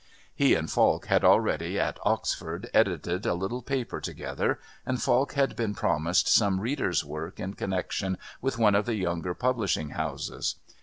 He and Falk had already, at Oxford, edited a little paper together, and Falk had been promised some reader's work in connection with one of the younger publishing houses.